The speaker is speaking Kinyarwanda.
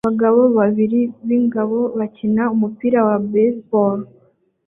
Abagabo babiri b'ingabo bakina umupira wa baseball